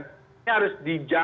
ini harus dijalankan